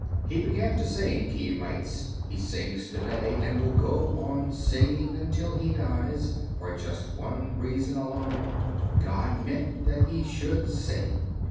"He began to sing," Key writes, "he sings to day and will go on singing until he dies for just one reason alone: God meant that he should sing."